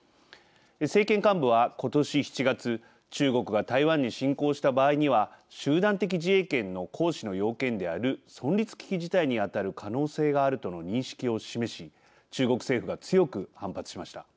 政権幹部は、ことし７月中国が台湾に侵攻した場合には集団的自衛権の行使の要件である「存立危機事態」にあたる可能性があるとの認識を示し中国政府が強く反発しました。